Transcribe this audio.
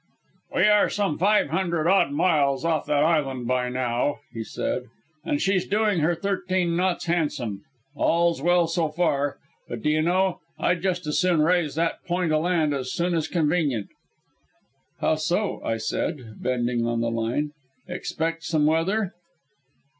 "We are some five hundred odd miles off that island by now," he said, "and she's doing her thirteen knots handsome. All's well so far but do you know, I'd just as soon raise that point o' land as soon as convenient." "How so?" said I, bending on the line. "Expect some weather?"